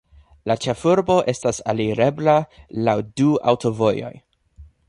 La ĉefurbo estas alirebla laŭ du aŭtovojoj.